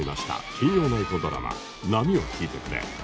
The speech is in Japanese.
金曜ナイトドラマ『波よ聞いてくれ』